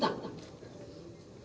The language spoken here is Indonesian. gak terlalu jauh